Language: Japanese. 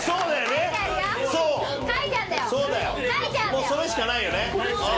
もうそれしかないよね。